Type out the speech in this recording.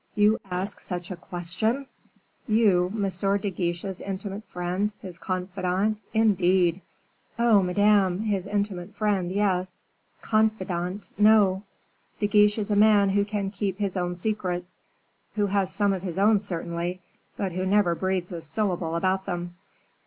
"You ask such a question! You, M. de Guiche's intimate friend, his confidant, indeed!" "Oh, Madame! his intimate friend yes; confidant no. De Guiche is a man who can keep his own secrets, who has some of his own certainly, but who never breathes a syllable about them.